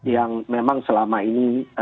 yang memang selama ini